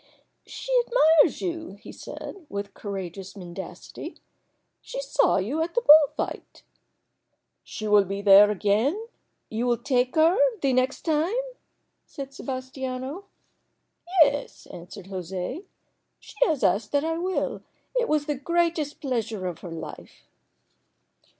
"She admires you," he said, with courageous mendacity. "She saw you at the bullfight." "She will be there again? You will take her the next time?" said Sebastiano. "Yes," answered José. "She has asked that I will. It was the greatest pleasure of her life."